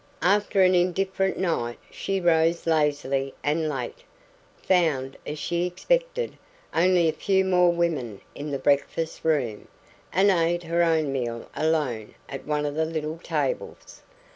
After an indifferent night, she rose lazily and late; found, as she expected, only a few more women in the breakfast room, and ate her own meal alone at one of the little tables.